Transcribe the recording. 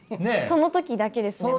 その時だけですね。